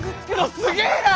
すげえな！